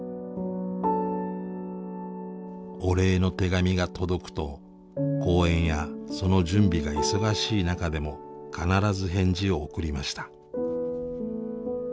お礼の手紙が届くと講演やその準備が忙しい中でも必ず返事を送りました。